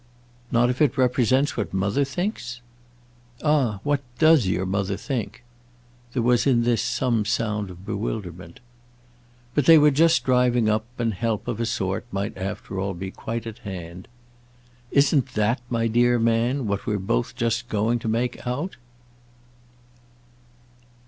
"Not if it represents what Mother thinks?" "Ah what does your mother think?" There was in this some sound of bewilderment. But they were just driving up, and help, of a sort, might after all be quite at hand. "Isn't that, my dear man, what we're both just going to make out?"